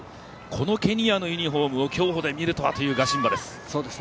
このケニアのユニフォームを競歩で見るとはというガシンバです。